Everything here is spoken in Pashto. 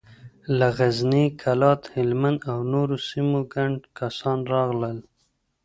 له غزني، کلات، هلمند او نورو سيمو ګڼ کسان راغلل.